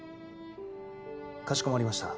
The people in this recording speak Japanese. かしこまりました。